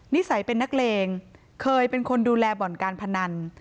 นิสัยเป็นนักเลงเคยเป็นคนดูแลบ่อนการพนัน